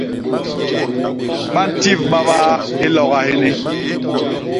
Ba ntip babaa hiloga hini.